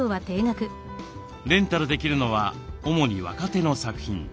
レンタルできるのは主に若手の作品。